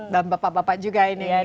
bapak bapak juga ini